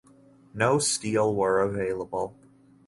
No steal were available.